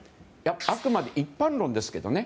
あくまで一般論ですけどね